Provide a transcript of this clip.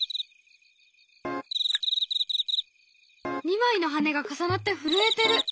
２枚の羽が重なって震えてる！